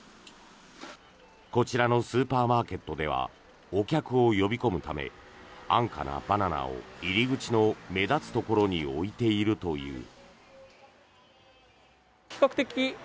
こちらのスーパーマーケットではお客を呼び込むため安価なバナナを入り口の目立つところに置いているという。